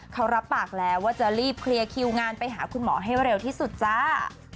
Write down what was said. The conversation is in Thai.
เขารับปากแล้วว่าจะรีบเคลียร์คิวงานไปหาคุณหมอให้เร็วที่สุดจ้า